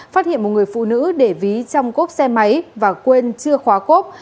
phát hiện một người phụ nữ để ví trong cốp xe máy và quên chưa khóa cốp